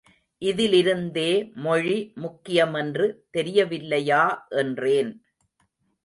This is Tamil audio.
இதிலிருந்தே மொழி முக்கியமென்று தெரியவில்லையா என்றேன்.